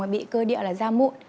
mà bị cơ địa là da mụn